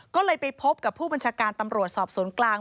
ก็เลยไปพบกับผู้บัญชาการตำรวจสอบสวนกลาง